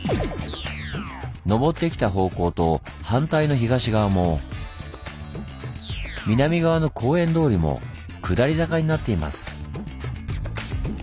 のぼってきた方向と反対の東側も南側の公園通りも下り坂になっています。